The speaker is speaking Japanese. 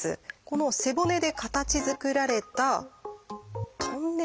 この背骨で形づくられたトンネル。